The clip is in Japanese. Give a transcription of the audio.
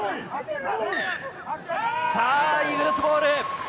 イーグルスボール。